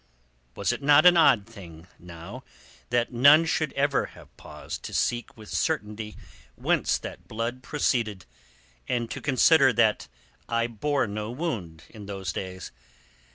"Was it not an odd thing, now, that none should ever have paused to seek with certainty whence that blood proceeded, and to consider that I bore no wound in those days?